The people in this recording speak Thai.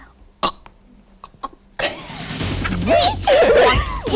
นี่